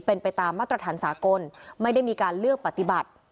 เป็นไปตามมาตรฐานสากลไม่ได้มีการเลือกปฏิบัติ